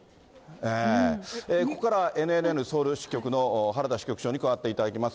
ここからはＮＮＮソウル支局の原田支局長に加わっていただきます。